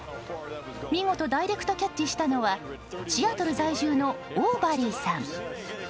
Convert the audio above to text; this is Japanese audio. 見事ダイレクトキャッチしたのはシアトル在住のオーバリーさん。